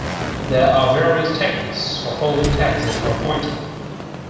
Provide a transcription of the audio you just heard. There are various techniques for folding tags into a pointer.